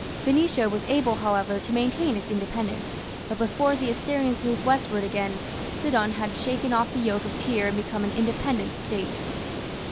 Phoenicia was able, however, to maintain its independence, but before the Assyrians moved westward again, Sidon had shaken off the yoke of Tyre and become an independent State.